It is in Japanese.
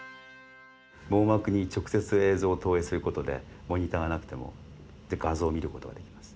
網膜に直接映像を投影することでモニターがなくても画像を見ることができます。